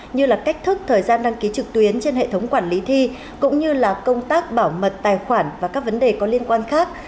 như là cách thức thời gian đăng ký trực tuyến trên hệ thống quản lý thi cũng như là công tác bảo mật tài khoản và các vấn đề có liên quan khác